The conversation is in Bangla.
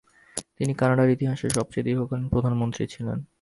তিনি কানাডার ইতিহাসে সবচেয়ে দীর্ঘকালীন প্রধানমন্ত্রী ছিলেন।